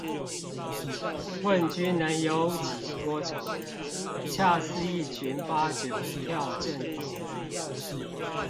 問君能有幾多愁，恰似一群八九跳陣頭